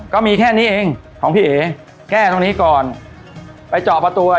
ก็มีแค่นี้เองของพี่เอ๋แก้ตรงนี้ก่อนไปเจาะประตู